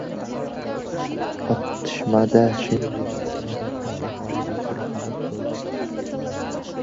Otishmada shuningdek, ikki nafar tinch aholi vakili halok bo‘ldi